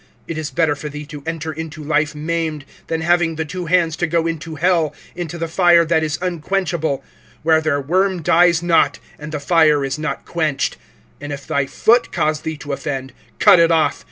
It is better for thee to enter into life maimed, than having the two hands to go into hell, into the fire that is unquenchable; (44)where their worm dies not, and the fire is not quenched. (45)And if thy foot cause thee to offend, cut it off.